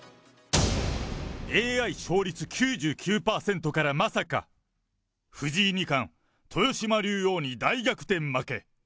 ＡＩ勝率９９％からまさか、藤井二冠、豊島竜王に大逆転負け。